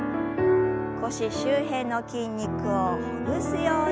腰周辺の筋肉をほぐすように。